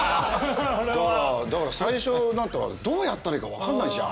だから最初なんてどうやったらいいか分かんないじゃん。